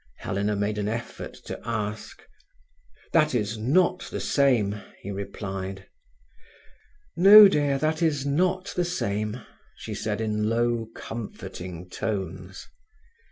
Helena made an effort to ask. "That is not the same," he replied. "No, dear, that is not the same," she said in low, comforting tones.